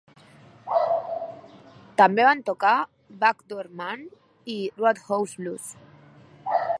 També van tocar "Back Door Man" i "Roadhouse Blues".